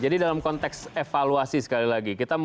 dalam konteks evaluasi sekali lagi